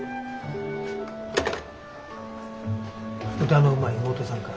☎歌のうまい妹さんか。